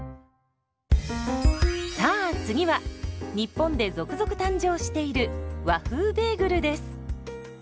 さあ次は日本で続々誕生している「和風ベーグル」です。